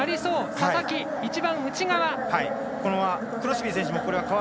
佐々木、一番内側。